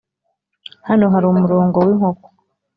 hano hari umurongo winkoko